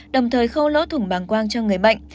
đồng thời khâu lỗ thủng bảng quang cho người bệnh